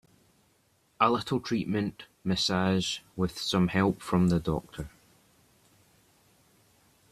A little treatment, massage, with some help from the doctor.